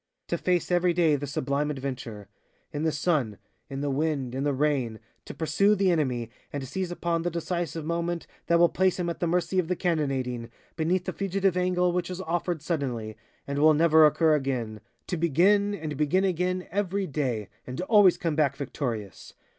To face every day the sublime adventure, in the sun, in the wind, in the rain, to pursue the enemy and seize upon the decisive moment that will place him at the mercy of the cannonading, beneath the fugitive angle which is offered suddenly, and will never occur again, to begin, and begin again, every day, and to always come back victorious.